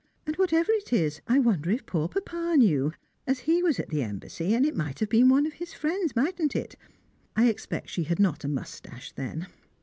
And, whatever it is, I wonder if poor papa knew, as he was at the Embassy, and it might have been one of his friends, mightn't it? I expect she had not a moustache then.